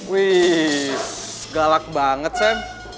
wih galak banget sam